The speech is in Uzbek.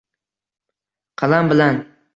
Qalam bilan